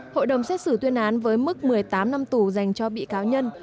hội đồng xét xử tuyên án với mức một mươi tám năm tù dành cho bị cáo nhân